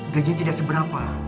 gajinya tidak seberapa